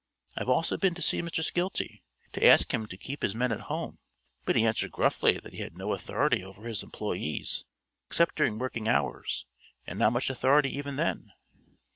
I've also been to see Mr. Skeelty, to ask him to keep his men at home, but he answered gruffly that he had no authority over his employees except during working hours, and not much authority even then."